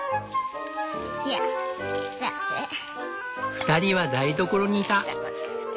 ２人は台所にいた。